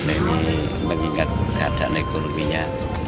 ini mengingat keadaan ekonominya